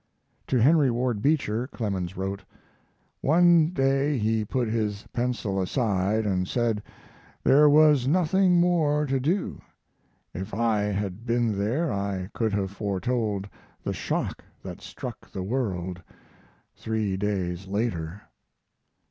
To Henry Ward Beecher, Clemens wrote: One day he put his pencil aside and said there was nothing more to do. If I had been there I could have foretold the shock that struck the world three days later.